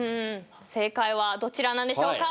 正解はどちらなんでしょうか。